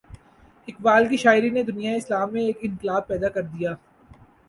اقبال کی شاعری نے دنیائے اسلام میں ایک انقلاب پیدا کر دیا۔